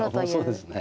そうです。